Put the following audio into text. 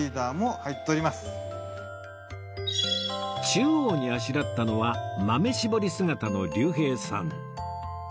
中央にあしらったのは豆絞り姿の竜兵さん